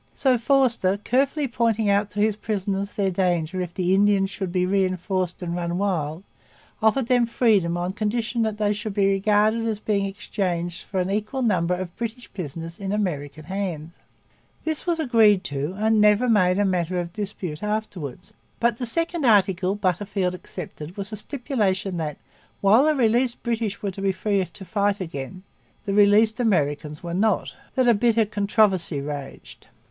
So Forster, carefully pointing out to his prisoners their danger if the Indians should be reinforced and run wild, offered them their freedom on condition that they should be regarded as being exchanged for an equal number of British prisoners in American hands. This was agreed to and never made a matter of dispute afterwards. But the second article Butterfield accepted was a stipulation that, while the released British were to be free to fight again, the released Americans were not; and it was over this point that a bitter controversy raged.